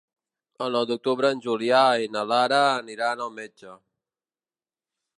El nou d'octubre en Julià i na Lara aniran al metge.